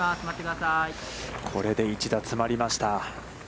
これで１打詰まりました。